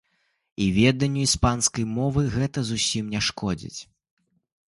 І веданню іспанскай мовы гэта зусім не шкодзіць!